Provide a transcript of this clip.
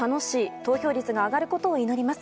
投票率が上がることを祈ります。